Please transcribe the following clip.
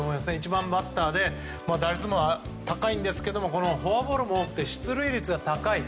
１番バッターで打率も高いんですけどフォアボールも多くて出塁率が高い。